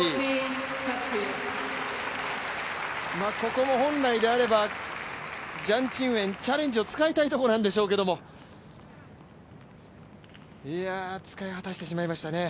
４０−３０、ここも本来であれば、ジャン・チンウェン、チャレンジを使いたいところなんでしょうけど、使い果たしてしまいましたね。